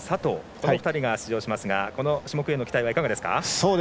この２人が出場しますがこの種目への期待はいかがですか。